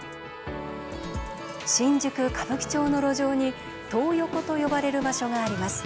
新宿・歌舞伎町の路上に「トー横」と呼ばれる場所があります。